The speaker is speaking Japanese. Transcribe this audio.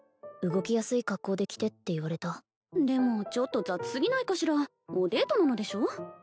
動きやすい格好で来てって言われたでもちょっと雑すぎないかしらおデートなのでしょ？